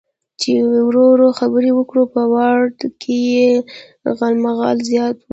چې ورو ورو خبرې وکړو، په وارډ کې یې غالمغال زیات و.